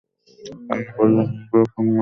তারা বলল, আমাদের উপাস্যদের প্রতি এরূপ করল কে?